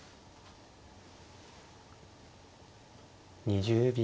２０秒。